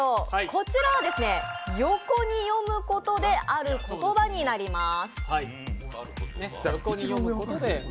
こちらは横に読むことで、ある言葉になります。